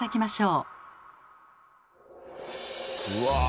うわ！